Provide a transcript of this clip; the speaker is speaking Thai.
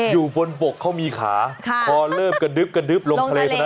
อยู่บนปกเขามีขาขอเลิภกระดึบกระดึบลงทะเลซักนั้นแหละ